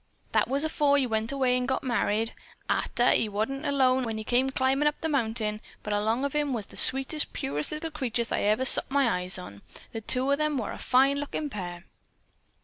That was afore he went away an' got married. 'Arter that he wa'n't alone when he come climbin' up the mountain, but along of him was the sweetest purtiest little creature I'd ever sot my eyes on. The two of 'em were a fine lookin' pair."